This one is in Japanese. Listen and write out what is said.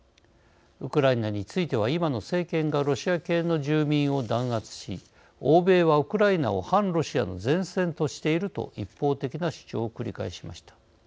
ウクライナについては今の政権がロシア系の住民を弾圧し欧米はウクライナを反ロシアの前線としていると一方的な主張を繰り返しました。